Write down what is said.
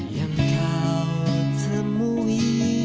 yang kau temui